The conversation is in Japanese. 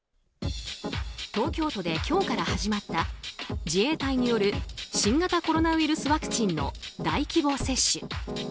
東京都で今日から始まった自衛隊による新型コロナウイルスワクチンの大規模接種。